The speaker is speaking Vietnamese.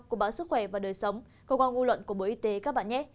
của bản sức khỏe và đời sống công an ngu luận của bộ y tế các bạn nhé